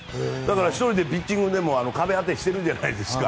１人でもピッチングでも壁当てしてるじゃないですか。